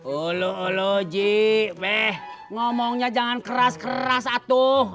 olok olok ji ngomongnya jangan keras keras atuh